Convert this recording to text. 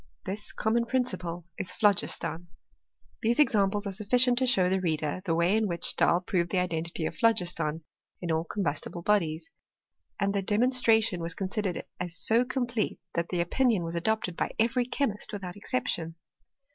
This common principle is phlogiston. These examples are sufficient to show the reader the way in which Stahl proved the identity of phlogiston in all combustible bodies. And the demonstration was considered as so complete that the opinion was adopted by every chemist without exception.